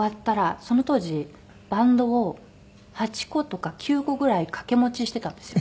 その当時バンドを８個とか９個ぐらい掛け持ちしてたんですよ。